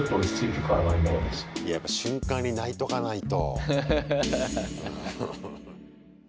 やっぱ瞬間に泣いとかないと。